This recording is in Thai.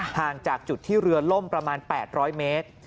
ห่างจากจุดที่เรือล่มประมาณ๘๐๐เมตร